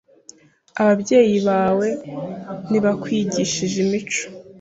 Ababyeyi bawe ntibakwigishije imico?